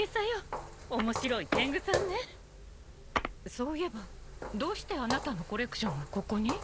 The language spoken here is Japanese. そういえばどうしてあなたのコレクションがここに？